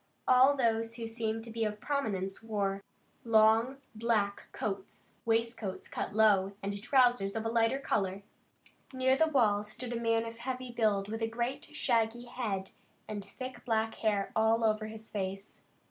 All those who seemed to be of prominence wore long black coats, waistcoats cut low, and trousers of a lighter color. Near the wall stood a man of heavy build with a great shaggy head and thick black hair all over his face.